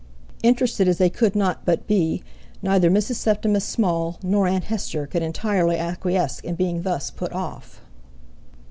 Interested as they could not but be, neither Mrs. Septimus Small nor Aunt Hester could entirely acquiesce in being thus put off.